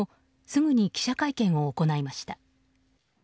すぐに記者会見を行いました。